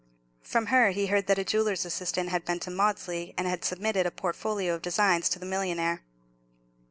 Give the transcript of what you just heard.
From her he heard that a jeweller's assistant had been to Maudesley, and had submitted a portfolio of designs to the millionaire.